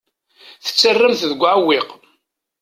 Tettarram-t deg uɛewwiq.